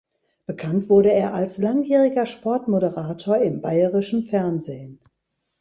Bekannt wurde er als langjähriger Sportmoderator im Bayerischen Fernsehen.